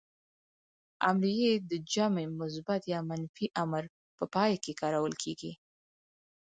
امریه ئ د جمع مثبت يا منفي امر په پای کې کارول کیږي.